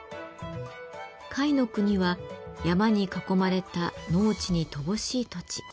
甲斐国は山に囲まれた農地に乏しい土地。